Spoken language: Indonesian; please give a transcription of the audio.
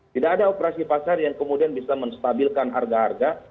tidak ada operasi pasar yang kemudian bisa menstabilkan harga harga